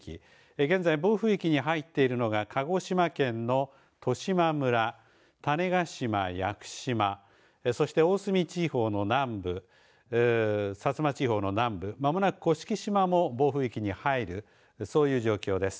現在、暴風域に入っているのが鹿児島県の十島村、種子島、屋久島そして大隅地方の南部薩摩地方の南部まもなく古式島も暴風域に入るそういう情報です。